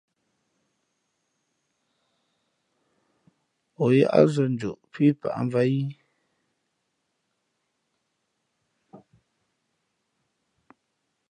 O yát zᾱ njoꞌ pí pǎʼmvāt í ?